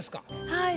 はい。